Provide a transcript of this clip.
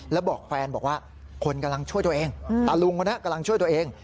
แล้วบอกแฟนบอกว่าคนกำลังช่วยตัวเองตาลุงคนนี้กำลังช่วยตัวเอง